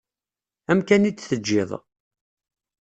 Amkan i d-teǧǧiḍ.